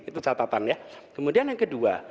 itu catatan ya kemudian yang kedua